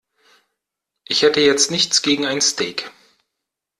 Ich hätte jetzt nichts gegen ein Steak.